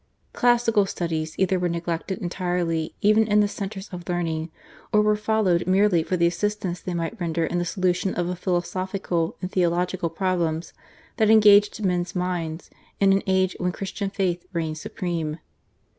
Classical studies either were neglected entirely even in the centres of learning, or were followed merely for the assistance they might render in the solution of the philosophical and theological problems, that engaged men's minds in an age when Christian faith reigned supreme.